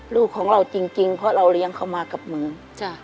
ลูกของเราจริงเพราะเราเลี้ยงเขามากับมือ